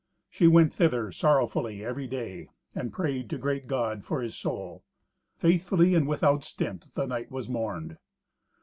She went thither sorrowfully every day, and prayed to great God for his soul. Faithfully and without stint the knight was mourned.